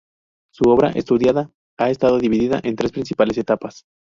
Su obra estudiada ha estado dividida en tres principales etapas.